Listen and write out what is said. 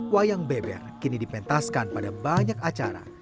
wayang beber kini dipentaskan pada banyak acara